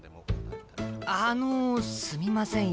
あのすみません